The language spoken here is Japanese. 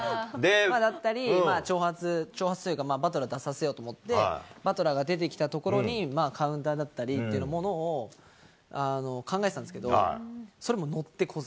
だったり、挑発、挑発というか、バトラー出させようと思って、バトラーが出てきたところにカウンターだったりっていうものを、考えてたんですけど、それも乗ってこず。